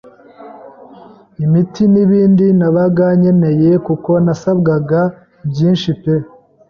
imiti n’ibindi nabaga nkeneye kuko nasabwaga byinshi pe